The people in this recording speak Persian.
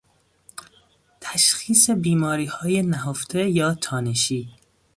تشخیص بیماریهای نهفته یا تانشی